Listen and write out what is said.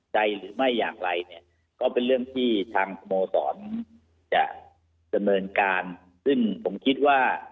ใจหรือไม่อยากไรก็เป็นเรื่องที่ทางธรรมโศรจะเจมือนการซึ่งผมคิดว่า